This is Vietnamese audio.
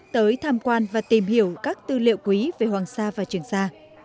tới tham quan và tìm hiểu các tư liệu quý về hoàng sa và trường sa